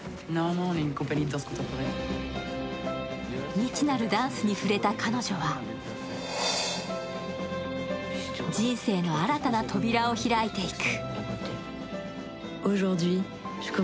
未知なるダンスに触れた彼女は人生の新たな扉を開いていく。